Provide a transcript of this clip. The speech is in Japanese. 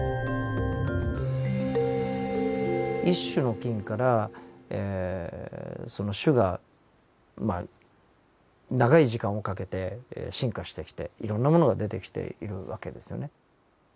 １種の菌からその種がまあ長い時間をかけて進化してきていろんなものが出てきている訳ですよね。